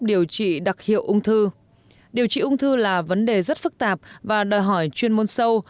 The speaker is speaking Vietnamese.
điều trị đặc hiệu ung thư điều trị ung thư là vấn đề rất phức tạp và đòi hỏi chuyên môn sâu